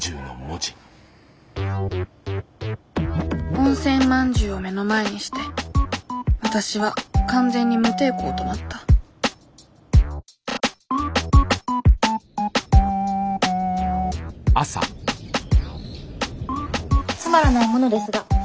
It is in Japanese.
温泉まんじゅうを目の前にしてわたしは完全に無抵抗となったつまらないものですが。